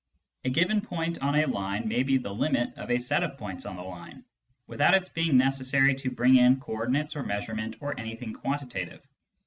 A given point on a line may be the limit of a set of points on the line, without its being necessary to bring in co ordinates or measure ment or anything quantitative.